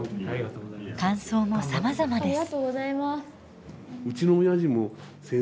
感想もさまざまです。